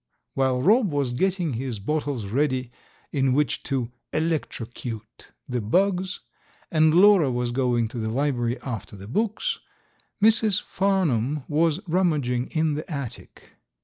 While Rob was getting his bottles ready in which to "electrocute" the bugs and Lora was going to the library after the books, Mrs. Farnum was rummaging in the attic.